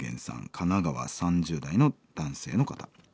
神奈川３０代の男性の方。